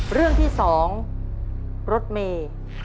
เรื่องที่๒รถเมย์